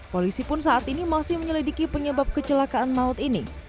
polisi pun saat ini masih menyelidiki penyebab kecelakaan maut ini